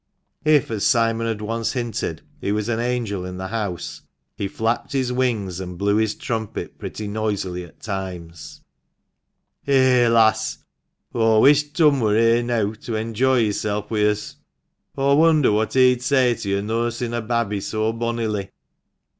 If, as Simon had once hinted, he was an angel in the house, he flapped his wings and blew his trumpet pretty noisily at times. " Eh, lass, aw wish Turn wur here neaw, to enjoy hisself wi' us. Aw wonder what he'd say to yo' nursin' a babby so bonnily?"